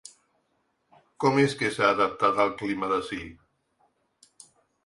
Com és que s’ha adaptat al clima d’ací?